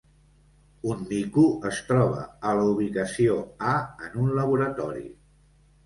Un mico es troba a la ubicació A en un laboratori.